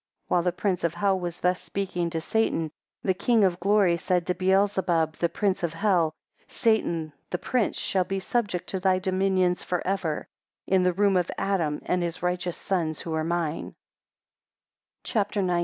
14 While the prince of hell was thus speaking to Satan, the King of Glory said to Beelzebub the prince of hell, Satan the prince shall be subject to thy dominions for ever, in the room of Adam and his righteous sons, who are mine, CHAPTER XIX.